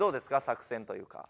作戦というか。